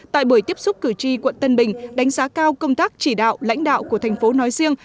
tại buổi tiếp xúc cử tri quận tân bình đánh giá cao công tác chỉ đạo lãnh đạo của thành phố nói riêng